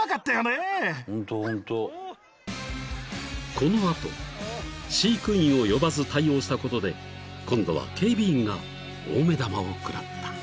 ［この後飼育員を呼ばず対応したことで今度は警備員が大目玉を食らった］